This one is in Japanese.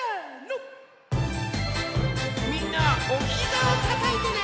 みんなはおひざをたたいてね。